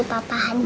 aham zakit hard